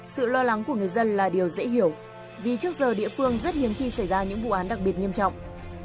sự lo lắng của người dân là điều dễ hiểu vì trước giờ địa phương rất hiếm khi xảy ra những vụ án đặc biệt nghiêm trọng